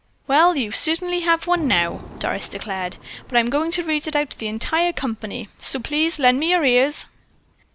"Well, you certainly have one now," Doris declared, "but I'm going to read it out to the entire company, so please lend me your ears."